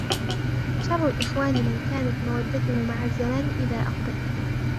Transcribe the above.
شَرُّ الْإِخْوَانِ مَنْ كَانَتْ مَوَدَّتُهُ مَعَ الزَّمَانِ إذَا أَقْبَلَ